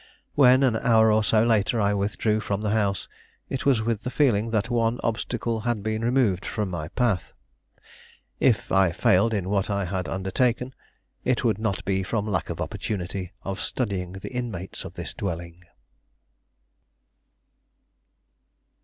When, an hour or so later, I withdrew from the house, it was with the feeling that one obstacle had been removed from my path. If I failed in what I had undertaken, it would not be from lack of opportunity of studying the inmates of this dwelling.